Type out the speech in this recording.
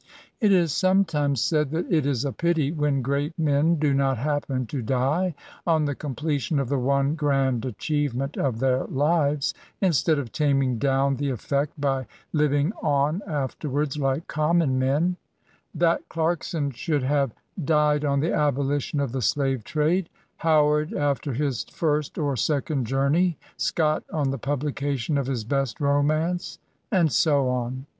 It is sometimes said, that it is a pity when great men do not happen to die on the completion of the one grand achievement of their lives, instead of taming down the effect by living on afterwards like common menj;— ^that Clarkson should have k3 202 BSSAY8. died on the abolition of the slave trade^ — Howard after his first or second journey^ — Scott on die publication of his best romance, — and so on.